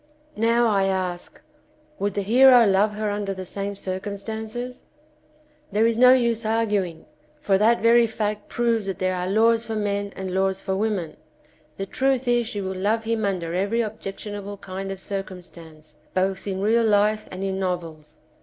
Now I ask would the hero love her under the same circumstances ? There is no use arguing, for that very fact proves that there are laws for men and laws for women. The truth is she will love him under every objectionable kind of circumstance, both in real life and in novels.